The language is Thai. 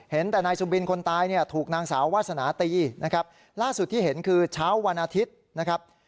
เห็นแต่นายสุบินคนตายเนี่ยถูกนางสาววาสนาตีนะครับล่าสุดที่เห็นคือเช้าวันอาทิตย์นะครับ